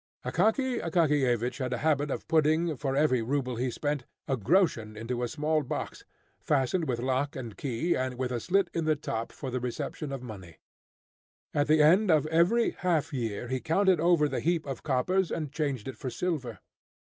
Akaky Akakiyevich had a habit of putting, for every ruble he spent, a groschen into a small box, fastened with lock and key, and with a slit in the top for the reception of money. At the end of every half year he counted over the heap of coppers, and changed it for silver.